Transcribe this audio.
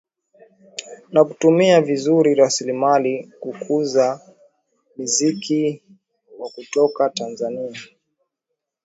Na kutumia vizuri rasilimali kuukuza muziki wa kutoka Tanzania